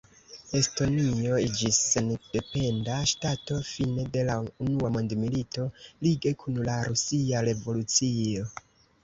Estonio iĝis sendependa ŝtato fine de la unua mondmilito, lige kun la Rusia revolucio.